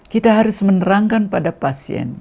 kita harus menerangkan pada pasien